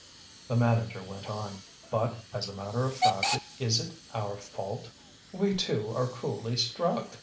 The manager went on: "But, as a matter of fact, is it our fault? We, too, are cruelly struck.